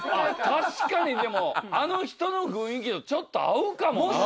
確かにでもあの人の雰囲気とちょっと合うかもな。